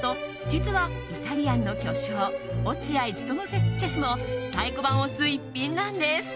実はイタリアンの巨匠落合務シェフも太鼓判を押す逸品なんです。